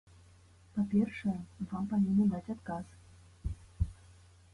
Па-першае, вам павінны даць адказ.